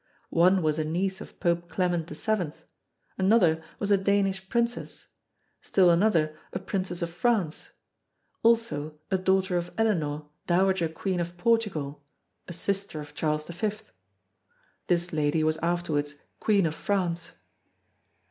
One was a niece of Pope Clement VII; another was a Danish princess; still another a princess of France; also a daughter of Eleanor, dowager Queen of Portugal, a sister of Charles V. This lady was afterwards Queen of France.